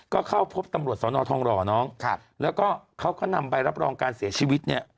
ก็เข้าพบตำรวจสนทองหลอกแล้วก็เขาก็นำไปรับรองการเสียชีวิต